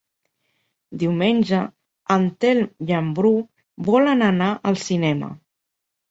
Diumenge en Telm i en Bru volen anar al cinema.